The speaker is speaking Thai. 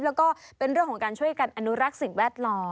แล้วก็เป็นเรื่องของการช่วยกันอนุรักษ์สิ่งแวดล้อม